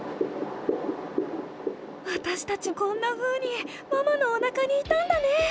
わたしたちもこんなふうにママのおなかにいたんだね！